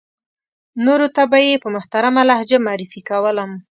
نورو ته به یې په محترمه لهجه معرفي کولم.